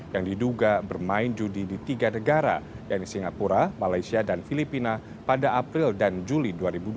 yang diduga bermain judi di tiga negara yaitu singapura malaysia dan filipina pada april dan juli dua ribu dua puluh